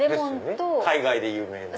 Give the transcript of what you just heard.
海外で有名な。